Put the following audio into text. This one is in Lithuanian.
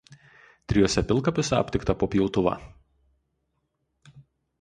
Trijuose pilkapiuose aptikta po pjautuvą.